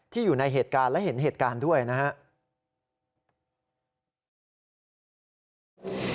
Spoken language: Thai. อยู่ในเหตุการณ์และเห็นเหตุการณ์ด้วยนะครับ